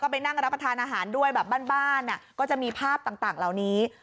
ไปนั่งรับประทานอาหารด้วยแบบบ้านก็จะมีภาพต่างเหล่านี้